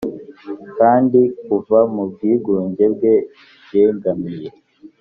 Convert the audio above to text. kandi kuva mu bwigunge bwe yegamiye,